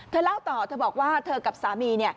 เธอเล่าต่อเธอบอกว่าเธอกับสามี